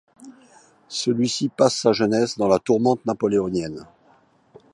Celui-ci passe sa jeunesse dans la tourmente napoléonienne.